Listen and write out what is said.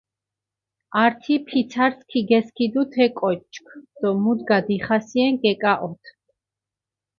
ართი ფიცარს ქიგესქიდუ თე კოჩქ დო მუდგა დიხასიენ გეკაჸოთჷ.